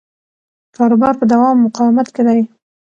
کاروبار په دوام او مقاومت کې دی.